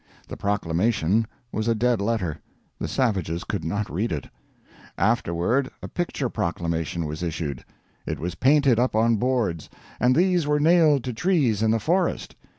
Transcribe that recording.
The proclamation was a dead letter; the savages could not read it. Afterward a picture proclamation was issued. It was painted up on boards, and these were nailed to trees in the forest.